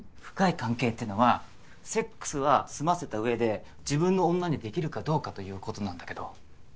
深い関係っていうのはセックスは済ませた上で自分の女にできるかどうかということなんだけど。